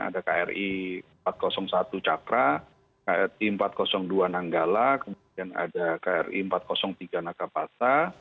ada kri empat ratus satu cakra kri empat ratus dua nanggala kemudian ada kri empat ratus tiga nakapasa